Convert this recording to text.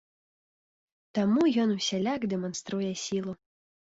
Таму ён усяляк дэманструе сілу.